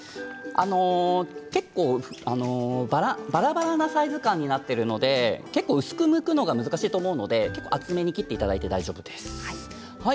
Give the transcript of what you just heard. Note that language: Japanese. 結構、ばらばらなサイズ感になっているので薄くむくのが難しいと思うので厚めに切っていただいて大丈夫です。